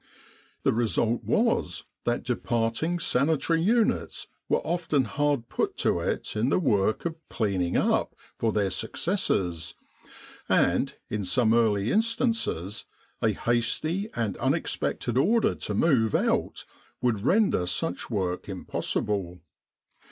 The result was that departing sanitary units were often hard put to it in the work of "cleaning up" for their successors; and, in some early instances, a hasty and unexpected order to move out would render such work impossible.